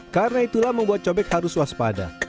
karena itulah membuat cobek harus waspada